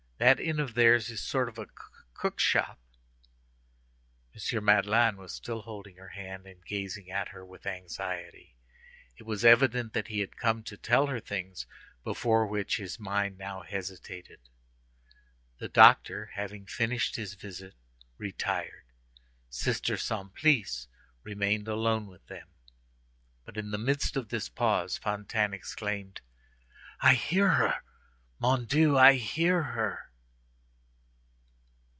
That inn of theirs is a sort of a cook shop." M. Madeleine was still holding her hand, and gazing at her with anxiety; it was evident that he had come to tell her things before which his mind now hesitated. The doctor, having finished his visit, retired. Sister Simplice remained alone with them. But in the midst of this pause Fantine exclaimed:— "I hear her! mon Dieu, I hear her!"